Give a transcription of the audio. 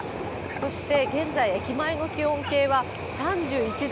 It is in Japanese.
そして現在、駅前の気温計は３１度。